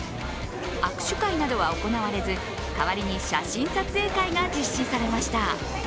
握手会などは行われず、代わりに写真撮影会が実施されました。